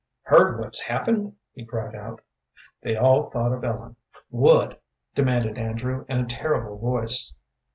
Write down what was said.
"Heard what's happened?" he cried out. They all thought of Ellen. "What?" demanded Andrew, in a terrible voice.